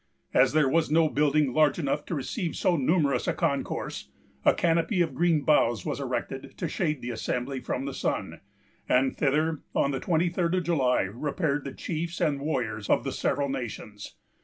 As there was no building large enough to receive so numerous a concourse, a canopy of green boughs was erected to shade the assembly from the sun; and thither, on the twenty third of July, repaired the chiefs and warriors of the several nations.